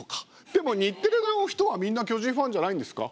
でも日テレの人はみんな巨人ファンじゃないんですか？